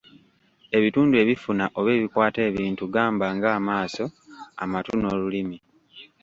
Ebitundu ebifuna oba ebikwata ebintu gamba ng'amaaso, amatu n'olulimi.